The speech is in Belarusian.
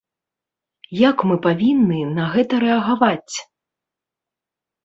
Як мы павінны на гэта рэагаваць?